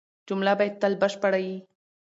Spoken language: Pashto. جمله باید تل بشپړه يي.